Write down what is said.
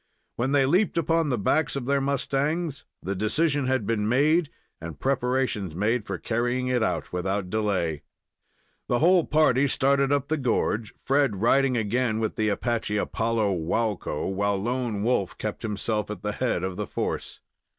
When they leaped upon the backs of their mustangs, the decision had been made, and preparations made for carrying it out without delay. The whole party started up the gorge, Fred riding again with the Apache Apollo, Waukko, while Lone Wolf kept himself at the head of the force.